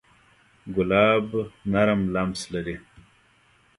ګلاب نرم لمس لري.